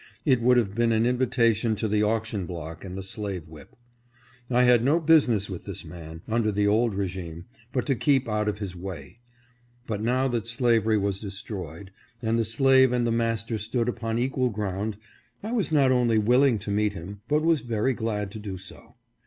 It would have been an invitation to the auction block and the slave whip. I had no business with this man under the old regime but to keep out of his way. But now that slavery was destroyed, and the slave and the master stood upon equal ground, I was not only will ing to meet him, but was very glad to do so.